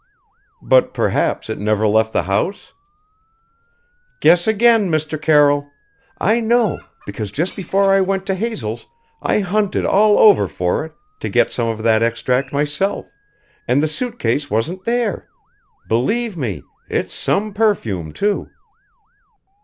"But perhaps it never left the house?" "Guess again, Mr. Carroll. I know because just before I went to Hazel's I hunted all over for it, to get some of that extract myself. And the suit case wasn't there. Believe me it's some perfume, too!"